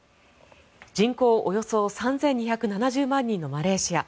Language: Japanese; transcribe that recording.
人口およそ３２７０万人のマレーシア。